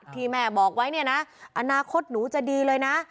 ที่แม่บอกไว้เนี่ยนะอนาคตหนูจะดีเลยนะ